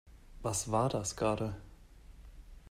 Was war das gerade?